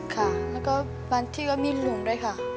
ค่ะแล้วก็บ้านที่ก็มีลุงด้วยค่ะ